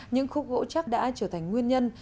những khúc gỗ chắc đã trở thành nguyên nhân